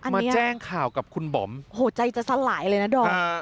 มาแจ้งข่าวกับคุณบอมโอ้โหใจจะสลายเลยนะดอม